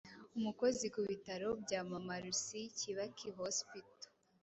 umukozi ku bitaro bya mama lucy kibaki hospital